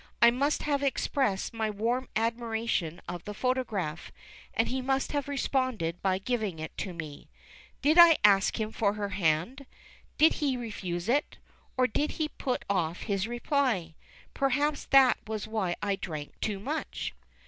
I must have expressed my warm admiration of the photograph, and he must have responded by giving it to me. Did I ask him for her hand? Did he refuse it? or did he put off his reply? Perhaps that was why I drank too much.